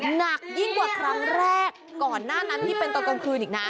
หนักยิ่งกว่าครั้งแรกก่อนหน้านั้นที่เป็นตอนกลางคืนอีกนะ